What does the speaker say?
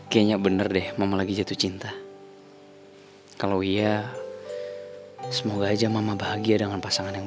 kayaknya bener deh mama lagi jatuh cinta kalau iya semoga aja mama bahagia dengan pasangan yang